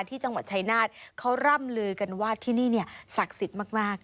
ที่จังหวัดชายนาฏเขาร่ำลือกันว่าที่นี่เนี่ยศักดิ์สิทธิ์มาก